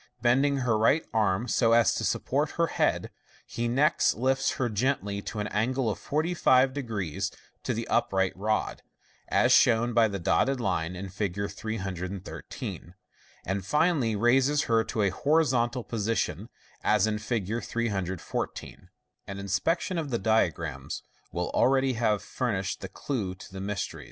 Bending her right arm so as to support her head, he next lifts her gently to an angle of 450 to the upright rod (as shown by the dotted line in Fig. 313), and finally raises her to a horizontal position, as in Fig. 314. An inspection of the diagrams will already have furnished the clue to the mystery.